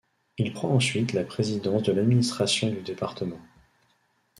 Il prend ensuite la présidence de l'administration du département.